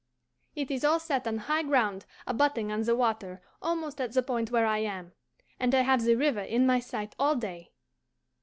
It is all set on high ground abutting on the water almost at the point where I am, and I have the river in my sight all day.